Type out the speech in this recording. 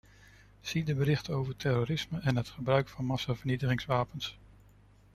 Zie de berichten over terrorisme en het gebruik van massavernietigingswapens.